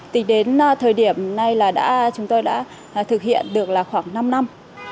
từ đến thời điểm nay là chúng tôi đã thực hiện được khoảng năm năm